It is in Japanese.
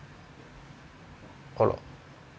あら。